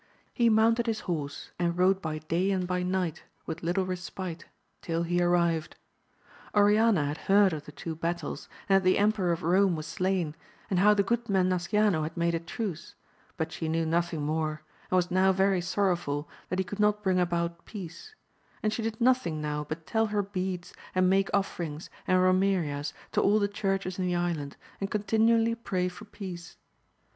He mounted his horse, and rode by day and by night with little respite till he arrived. Oriana had heard of the two battles, and that the Emperor of Eome was slain, and how the good man Nasciano had made a truce, but she knew nothing more, and was now very sorrowful that he could not bring about peace ; and she did nothing now but tell her beads and make offerings and romerias to all the churches in the island, and continually pray for peace.